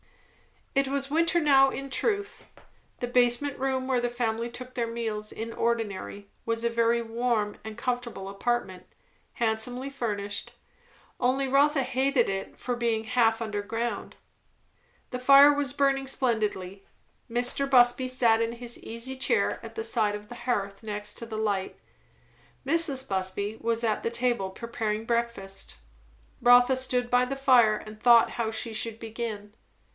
It was winter now in truth. The basement room where the family took their meals in ordinary, was a very warm and comfortable apartment; handsomely furnished; only Rotha always hated it for being half underground. The fire was burning splendidly; Mr. Busby sat in his easy chair at the side of the hearth next the light; Mrs. Busby was at the table preparing breakfast. Rotha stood by the fire and thought how she should begin.